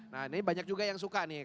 nah ini banyak juga yang suka nih